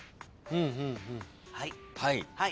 はいはい。